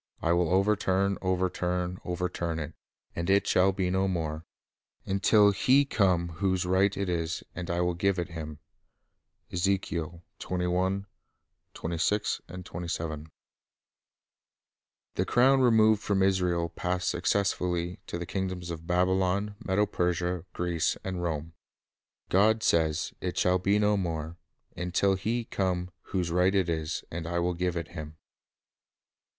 I will overturn, overturn, overturn it; and it shall be no more, until He come whose right it is; and I will give it Him." 1 The crown removed from Israel passed successively to the kingdoms of Babylon, Medo Persia, Greece, and Rome. God says, "It shall be no more, until He come whose right it is; and I will give it Him."